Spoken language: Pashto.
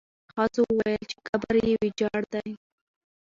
ښځو وویل چې قبر یې ویجاړ دی.